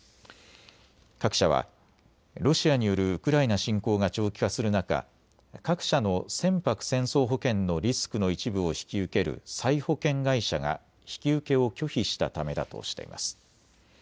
各社は、ロシアによるウクライナ侵攻が長期化する中各社の船舶戦争保険のリスクの一部を引き受ける再保険会社が引き受けを拒否したためだとしています。